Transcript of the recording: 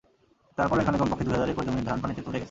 তারপরও এখানে কমপক্ষে দুই হাজার একর জমির ধান পানিতে তলিয়ে গেছে।